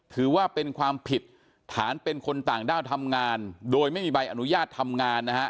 ถือว่าเป็นความผิดฐานเป็นคนต่างด้าวทำงานโดยไม่มีใบอนุญาตทำงานนะฮะ